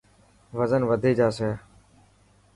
وزن وڌي جاسي.